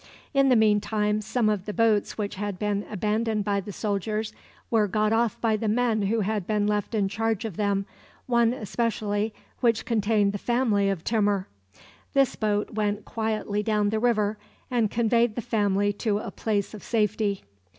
In the mean time, some of the boats which had been abandoned by the soldiers were got off by the men who had been left in charge of them one especially, which contained the family of Timur. This boat went quietly down the river, and conveyed the family to a place of safety.